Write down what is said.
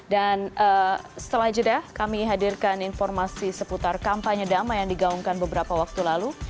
dan setelah jeda kami hadirkan informasi seputar kampanye damai yang digaungkan beberapa waktu lalu